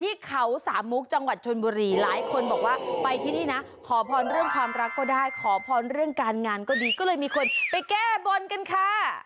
ที่เขาสามมุกจังหวัดชนบุรีหลายคนบอกว่าไปที่นี่นะขอพรเรื่องความรักก็ได้ขอพรเรื่องการงานก็ดีก็เลยมีคนไปแก้บนกันค่ะ